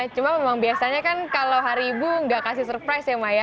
cuma memang biasanya kan kalau hari ibu nggak kasih surprise ya maya